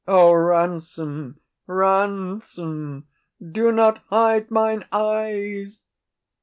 O, ransom, ransom! Do not hide mine eyes.